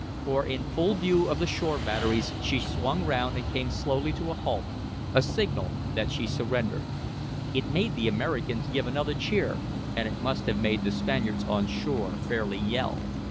For in full view of the shore batteries she swung round and came slowly to a halt, a signal that she surrendered. It made the Americans give another cheer, and it must have made the Spaniards on shore fairly yell.